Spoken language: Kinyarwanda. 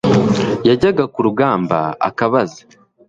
Yajyaga ku rugamba akabaza